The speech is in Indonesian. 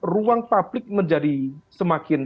ruang publik menjadi semakin